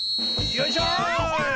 よいしょい！